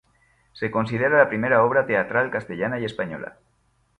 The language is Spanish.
Se considera la primera obra teatral castellana y española.